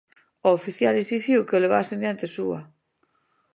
O oficial exixiu que o levasen diante súa.